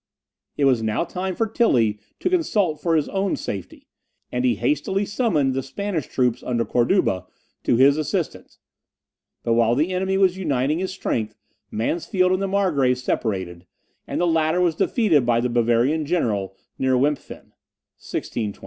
It was now time for Tilly to consult for his own safety, and he hastily summoned the Spanish troops, under Corduba, to his assistance. But while the enemy was uniting his strength, Mansfeld and the Margrave separated, and the latter was defeated by the Bavarian general near Wimpfen (1622).